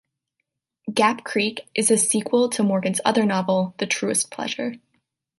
"Gap Creek" is a sequel to Morgan's other novel, "The Truest Pleasure".